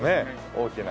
大きな。